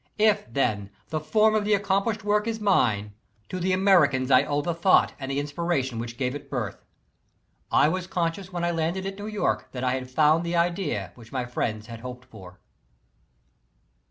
If, tlien, the form of the accomplished work is mine, to the Americans I owe the thought and the inspiration which gave it birth. I was conscious when I landed at New York that I had found the idea which my friends had hoped for.